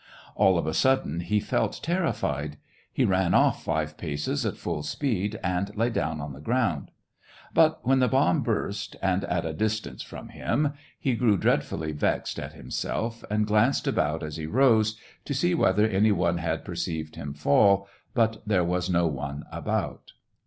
All of a sudden he felt terrified ; he ran off five paces at full speed, and lay down on the ground.' But when the bomb burst, and at a distance from. him, he grew dreadfully vexed at himself, and glanced about as he rose, to see whether any one had perceived him fall, but there was no one about.